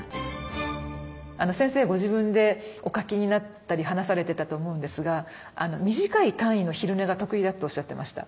先生ご自分でお書きになったり話されてたと思うんですが「短い単位の昼寝が得意だ」っておっしゃってました。